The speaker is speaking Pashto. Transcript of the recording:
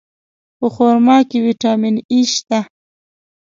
په خرما کې ویټامین E شته.